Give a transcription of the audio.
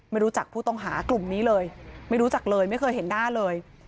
ไม่รู้จักผู้ต้องหากลุ่มนี้เลยไม่รู้จักเลยไม่เคยเห็นหน้าเลย